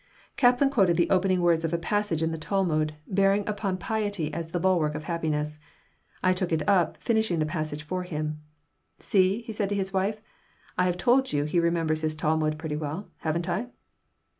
Kaplan quoted the opening words of a passage in the Talmud bearing upon piety as the bulwark of happiness. I took it up, finishing the passage for him "See?" he said to his wife. "I have told you he remembers his Talmud pretty well, haven't I?"